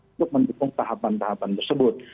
untuk mendukung tahapan tahapan tersebut